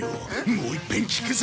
もういっぺん聞くぞ。